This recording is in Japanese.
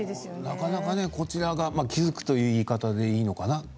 なかなかこちらが気付くという言い方でいいのかな